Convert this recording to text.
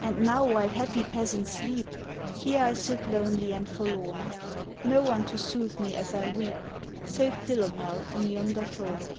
"And now, while happy peasants sleep, Here I sit lonely and forlorn; No one to soothe me as I weep, Save Philomel on yonder thorn.